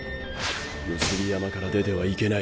産霊山から出てはいけない。